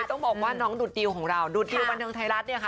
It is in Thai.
ต้องบอกว่าน้องดูดดิวของเราดูดดิวบันเทิงไทยรัฐเนี่ยค่ะ